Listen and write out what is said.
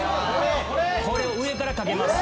これを上から掛けます。